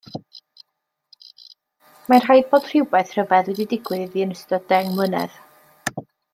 Mae'n rhaid bod rhywbeth rhyfedd wedi digwydd iddi yn ystod deng mlynedd.